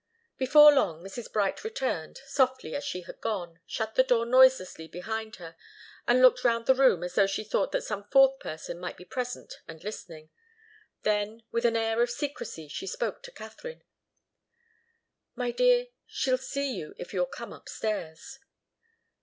Before long Mrs. Bright returned, softly as she had gone, shut the door noiselessly behind her, and looked round the room as though she thought that some fourth person might be present and listening. Then, with an air of secrecy, she spoke to Katharine. "My dear, she'll see you if you'll come upstairs."